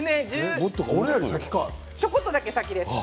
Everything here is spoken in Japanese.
ちょこっとだけ先です。